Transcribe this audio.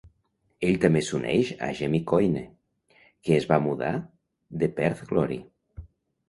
Ell també s'uneix a Jamie Coyne que es va mudar de Perth Glory.